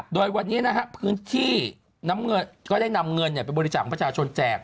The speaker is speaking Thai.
โดยวันนี้พื้นที่ก็ได้นำเงินเป็นบริจาคของประชาชนแจก